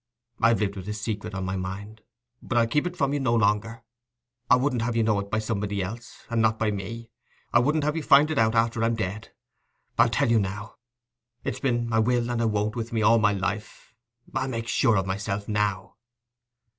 I've lived with a secret on my mind, but I'll keep it from you no longer. I wouldn't have you know it by somebody else, and not by me—I wouldn't have you find it out after I'm dead. I'll tell you now. It's been "I will" and "I won't" with me all my life—I'll make sure of myself now."